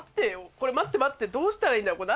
これ待って待ってどうしたらいいんだろうこれ。